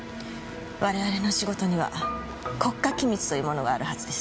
我々の仕事には国家機密というものがあるはずです。